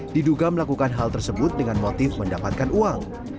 diduga melakukan hal tersebut dengan motif mendapatkan uang